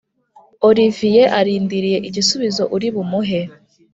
Oliviye arindiriye igisubizo uri bumuhe